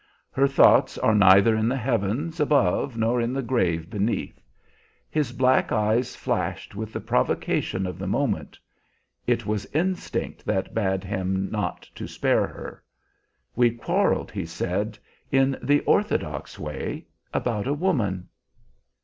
Her thoughts are neither in the heavens above nor in the grave beneath. His black eyes flashed with the provocation of the moment. It was instinct that bade him not to spare her. "We quarreled," he said, "in the orthodox way, about a woman."